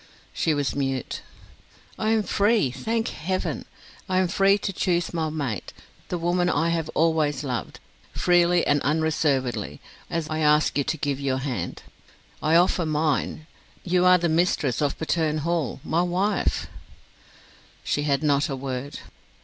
She was mute. "I am free. Thank Heaven! I am free to choose my mate the woman I have always loved! Freely and unreservedly, as I ask you to give your hand, I offer mine. You are the mistress of Patterne Hall; my wife." She had not a word.